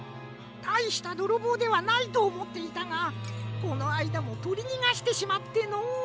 たいしたどろぼうではないとおもっていたがこのあいだもとりにがしてしまってのう。